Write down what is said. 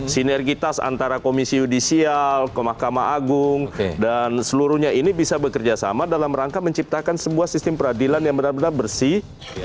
sinergitas antara komisi yudisial ke mahkamah agung dan seluruhnya ini bisa bekerjasama dalam rangka menciptakan sebuah sistem peradilan yang benar benar bersih